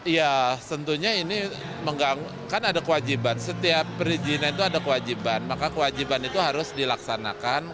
ya tentunya ini kan ada kewajiban setiap perizinan itu ada kewajiban maka kewajiban itu harus dilaksanakan